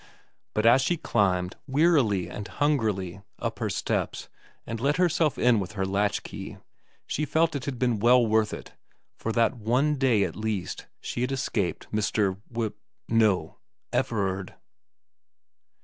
But as she climbed wearily and hungrily up her steps and let herself in with her latchkey, she felt it had been well worth it ; for that one day at least she had escaped Mr. We no, Everard.